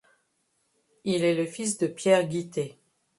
Il est le fils de Pierre Guité.